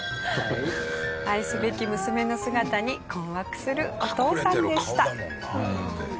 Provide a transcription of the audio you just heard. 愛すべき娘の姿に困惑するお父さんでした。